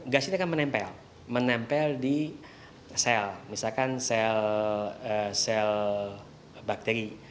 gas ini akan menempel menempel di sel misalkan sel bakteri